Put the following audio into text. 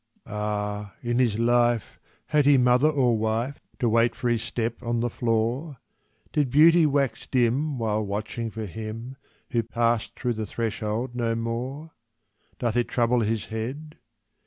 Ah! in his life, had he mother or wife, To wait for his step on the floor? Did beauty wax dim while watching for him Who passed through the threshold no more? Doth it trouble his head?